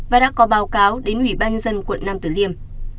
và đã có báo cáo đến ủy ban nhân dân quận nam tử liêm